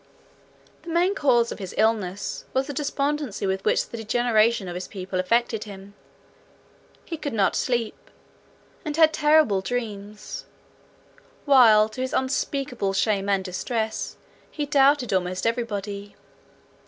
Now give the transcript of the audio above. The main cause of his illness was the despondency with which the degeneration of his people affected him. He could not sleep, and had terrible dreams; while, to his unspeakable shame and distress, he doubted almost everybody.